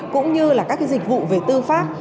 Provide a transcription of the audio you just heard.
cũng như là các cái dịch vụ về tư pháp